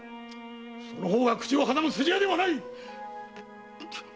その方が口を挟む筋合いではない！